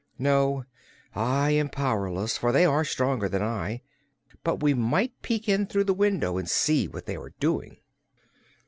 "No; I am powerless, for they are stronger than I. But we might peek in through the window and see what they are doing."